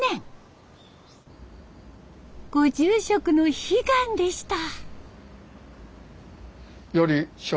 ご住職の悲願でした。